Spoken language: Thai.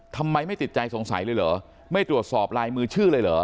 ทำไมไม่ติดใจสงสัยเลยเหรอไม่ตรวจสอบลายมือชื่อเลยเหรอ